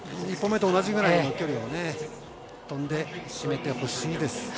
１本目と同じくらいの距離を飛んで締めてほしいです。